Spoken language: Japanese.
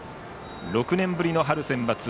６年ぶりの春センバツ。